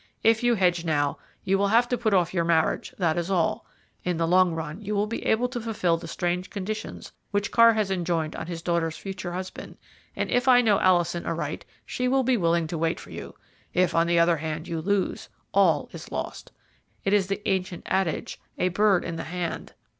If you hedge now you will have to put off your marriage, that is all. In the long run you will be able to fulfil the strange conditions which Carr has enjoined on his daughter's future husband, and if I know Alison aright, she will be willing to wait for you. If, on the other hand, you lose, all is lost. It is the ancient adage, 'A bird in the hand.'"